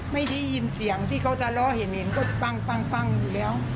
ไม่ได้ยินเสียงที่เขาจะล้อเห็นก็ปั้งอยู่แล้ว